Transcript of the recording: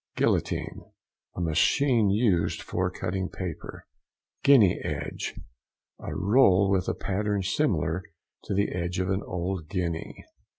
GUILLOTINE.—A machine used for cutting paper. GUINEA EDGE.—A roll with a pattern similar to the edge of an old guinea.